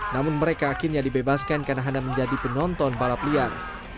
namun mereka akhirnya dibebaskan karena hanya menjadi penonton balap liar